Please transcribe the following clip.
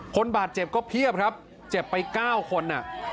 คนบาดเจ็บก็เพียบครับเจ็บไป๙คน